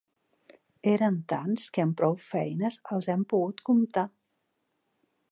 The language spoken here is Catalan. Eren tants, que amb prou feines els hem poguts comptar.